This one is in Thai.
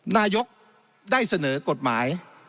นายกได้เสนอกฎหมาย